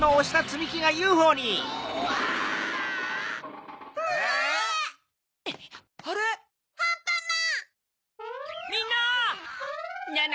みんな！